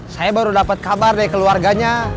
saya baru dapat kabar dari keluarganya